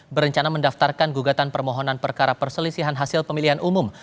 berencana mendaftarkan gugatan permohonan perkara perselisihan hasil pemilihan umum